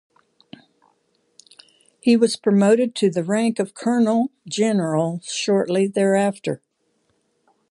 He was promoted to the rank of Colonel general shortly thereafter.